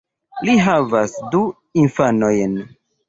Li havas du infanojn.